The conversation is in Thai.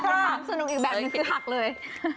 ลุมสนุกอีกแบบ๑๐พักเลย